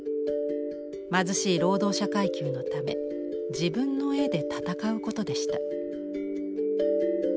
貧しい労働者階級のため自分の絵で闘うことでした。